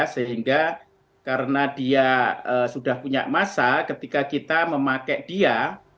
sehingga karena dia sudah punya masa ketika kita memakai dia